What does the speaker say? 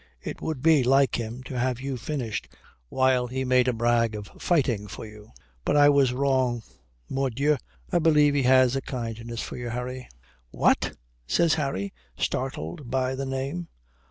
It would be like him to have you finished while he made a brag of fighting for you. But I was wrong. Mordieu, I believe he has a kindness for you, Harry." "What?" says Harry, startled by the name.